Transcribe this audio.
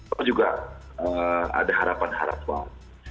itu juga ada harapan harapan